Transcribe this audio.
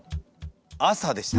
「朝」でした。